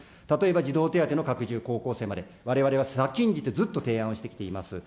児童手当の拡充、高校生まで、われわれは先んじて、ずっと提案をしてきています。